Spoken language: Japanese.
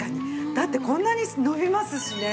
だってこんなに伸びますしね。